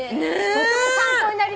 とても参考になりました。